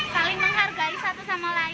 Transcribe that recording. saling menghargai satu sama lain